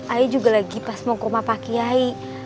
ayah juga lagi pas mau ke rumah pak kiai